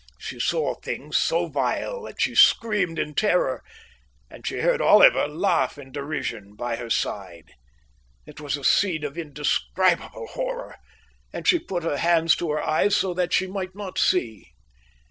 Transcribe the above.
She saw things so vile that she screamed in terror, and she heard Oliver laugh in derision by her side. It was a scene of indescribable horror, and she put her hands to her eyes so that she might not see.